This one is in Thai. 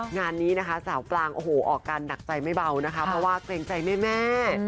งานนี้นะคะสาวกลางโอ้โหออกการหนักใจไม่เบานะคะเพราะว่าเกรงใจแม่